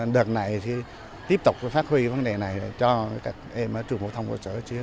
đợt này tiếp tục phát huy vấn đề này cho các em ở trường hội thông cơ sở